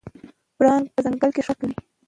پړانګ په ځنګل کې ښکار کوي.